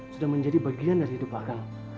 sudah menjadi bagian dari hidup belakang